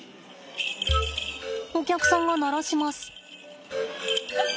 お客さんが鳴らします。